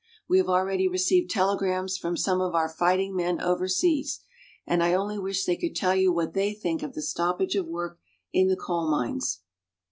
We have already received telegrams from some of our fighting men overseas, and I only wish they could tell you what they think of the stoppage of work in the coal mines.